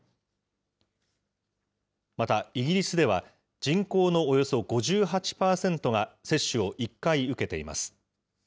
またイギリスでは、人口のおよそ５８％が接種を１回受けています。